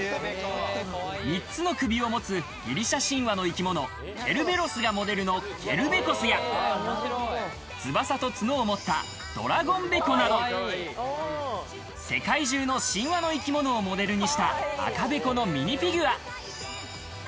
３つの首を持つギリシャ神話の生き物・ケルベロスがモデルのケルベコスや、翼とツノを持ったドラゴンベコなど、世界中の神話の生き物をモデルにした赤べこのミニフィギュア。